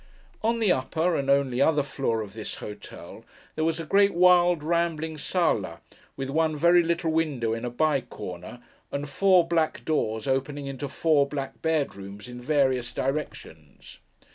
On the upper, and only other floor of this hotel, there was a great, wild, rambling sála, with one very little window in a by corner, and four black doors opening into four black bedrooms in various directions.